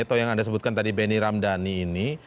atau yang anda sebutkan tadi benny ramdhani ini